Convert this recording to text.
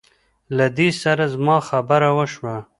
له دې سره زما خبره وشوه.